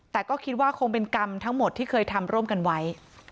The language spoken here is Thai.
แต่ก็คิดว่าคงเป็นกรรมทั้งหมดที่เคยทำร่วมกันไว้